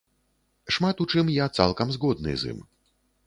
Шмат у чым я цалкам згодны з ім.